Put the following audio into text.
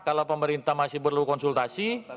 kalau pemerintah masih perlu konsultasi